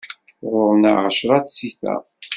Ɣur-neɣ ɛecra tsita.